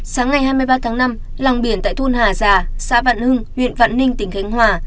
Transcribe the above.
sáng ngày hai mươi ba tháng năm làng biển tại thôn hà già xã vạn hưng huyện vạn ninh tỉnh khánh hòa